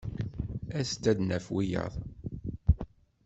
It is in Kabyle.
As-d ad d-naf wiyaḍ.